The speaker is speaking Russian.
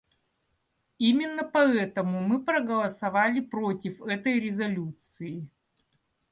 Именно поэтому мы проголосовали против этой резолюции.